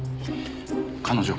彼女